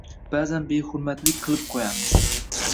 Ba’zan behurmatlik qilib qo‘yamiz.